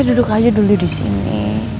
duduk aja dulu di sini